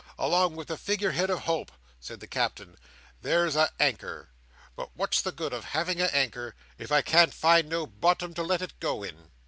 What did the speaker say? Along with the figure head of Hope," said the Captain, "there's a anchor; but what's the good of my having a anchor, if I can't find no bottom to let it go in?"